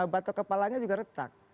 batok kepalanya juga retak